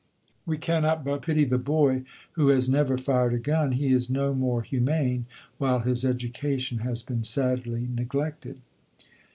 We cannot but pity the boy who has never fired a gun; he is no more humane, while his education has been sadly neglected."